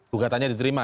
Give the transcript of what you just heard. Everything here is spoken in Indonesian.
duga tanya diterima